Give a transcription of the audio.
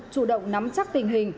chủ động nắm chắc tình hình